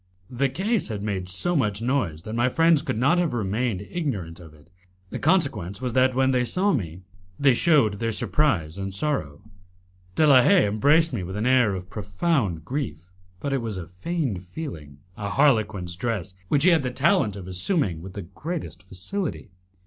The case had made so much noise that my friends could not have remained ignorant of it; the consequence was that, when they saw me, they shewed their surprise and sorrow. De la Haye embraced me with an air of profound grief, but it was a feigned feeling a harlequin's dress, which he had the talent of assuming with the greatest facility.